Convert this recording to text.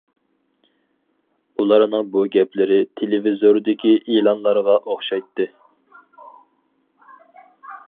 ئۇلارنىڭ بۇ گەپلىرى تېلېۋىزوردىكى ئېلانلارغا ئوخشايتتى.